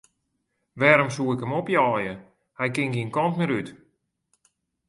Wêrom soe ik him opjeie, hy kin gjin kant mear út.